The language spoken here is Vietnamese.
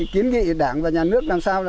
kiến nghị đảng và nhà nước làm sao